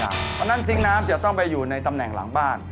เพราะฉะนั้นทิ้งน้ำจะต้องไปอยู่ในตำแหน่งหลังบ้าน